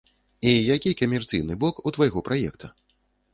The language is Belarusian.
І які камерцыйны бок у твайго праекта?